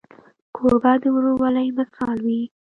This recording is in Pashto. کوربه د ورورولۍ مثال وي.